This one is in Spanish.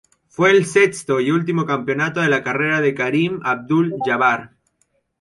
Fue el sexto y último campeonato de la carrera de Kareem Abdul-Jabbar.